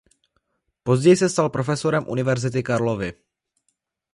Později se stal profesorem Univerzity Karlovy.